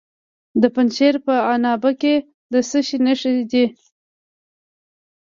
د پنجشیر په عنابه کې د څه شي نښې دي؟